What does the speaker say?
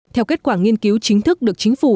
theo kết quả nghiên cứu chính thức được chính phủ